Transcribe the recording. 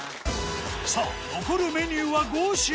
さあ残るメニューは５品。